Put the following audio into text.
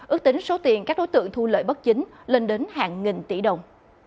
ước tính số tiền các đối tượng thu lợi bất chính lên đến hàng nghìn tỷ đồng